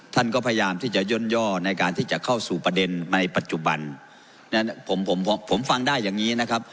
ท่านก็พยายามที่จะย่นย่อในการที่จะเข้าสู่ประเด็นในปัจจุบันนั้นผมผมฟังได้อย่างงี้นะครับ